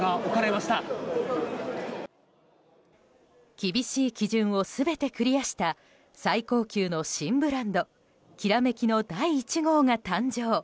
厳しい基準を全てクリアした最高級の新ブランド「煌」の第１号が誕生。